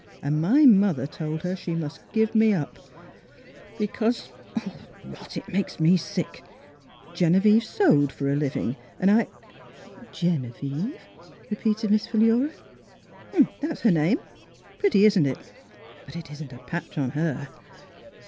And my mother told her she must give me up. Because — Oh, rot ! It makes me sick ! Genevieve sewed for a living, and I —"" Genevieve.? " repeated Miss Philura. "That's her name — pretty, isn't it? But it isn't a patch on her."